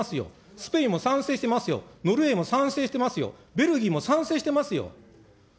スペインも賛成していますよ、ノルウェーも賛成してますよ、ベルギーも賛成していますよ。